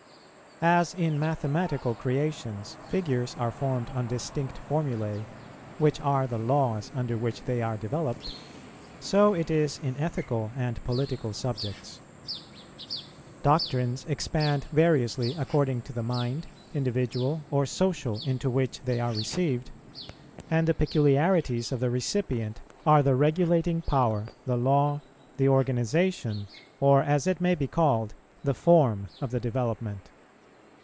As in mathematical creations figures are formed on distinct formulæ, which are the laws under which they are developed, so it is in ethical and political subjects. Doctrines expand variously according to the mind, individual or social, into which they are received; and the peculiarities of the recipient are the regulating power, the law, the organization, or, as it may be called, the form of the development.